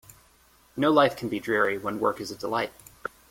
No life can be dreary when work is a delight.